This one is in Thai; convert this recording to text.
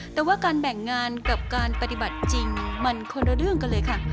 แต่ว่าการแบ่งงานกับการปฏิบัติจริงมันคนละเรื่องกันเลยค่ะ